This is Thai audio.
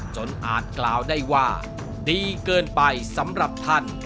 อาจกล่าวได้ว่าดีเกินไปสำหรับท่าน